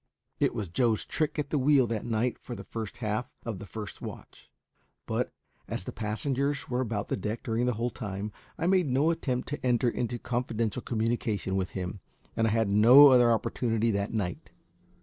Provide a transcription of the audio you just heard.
It was Joe's trick at the wheel that night for the first half of the first watch; but, as the passengers were about the deck during the whole time, I made no attempt to enter into confidential communication with him, and I had no other opportunity that night.